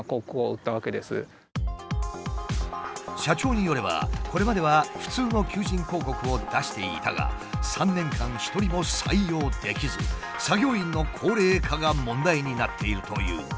社長によればこれまでは普通の求人広告を出していたが３年間一人も採用できず作業員の高齢化が問題になっているという。